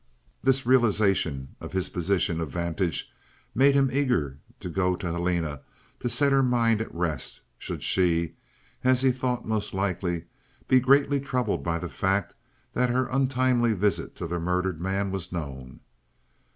This realization of his position of vantage made him eager to go to Helena to set her mind at rest, should she, as he thought most likely, be greatly troubled by the fact that her untimely visit to the murdered man was known.